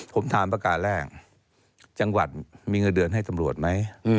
ผมถามประการแรกจังหวัดมีเงินเดือนให้ตำรวจไหม